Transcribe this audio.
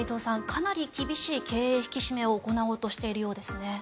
かなり厳しい経営引き締めを行おうとしているようですね。